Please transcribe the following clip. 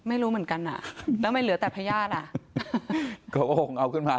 อะไรจริงไง